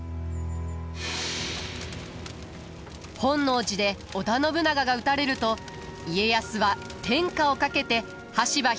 本能寺で織田信長が討たれると家康は天下をかけて羽柴秀吉と激突。